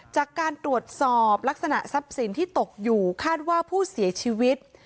จากการตรวจสอบลักษณะทรัพย์สินที่ตกอยู่คาดว่าผู้เสียชีวิต